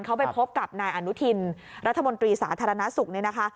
เขาไปพบกับนายอนุทินรัฐมนตรีสาธารณสุข